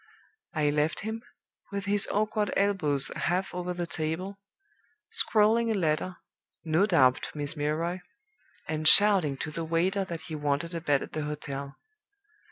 I left him, with his awkward elbows half over the table, scrawling a letter (no doubt to Miss Milroy), and shouting to the waiter that he wanted a bed at the hotel.